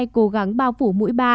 cố gắng bao phủ mũi ba